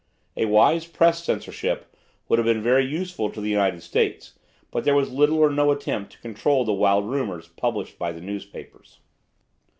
A wise Press censorship would have been very useful to the United States, but there was little or no attempt to control the wild rumours published by the newspapers.